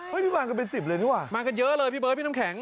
พี่มากันเป็น๑๐เลยนี่ว่ะมากันเยอะเลยพี่เบิร์ดพี่น้ำแข็ง